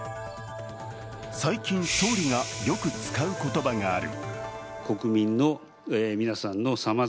最近、総理がよく使う言葉がある。